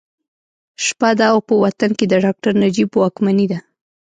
شپه ده او په وطن کې د ډاکټر نجیب واکمني ده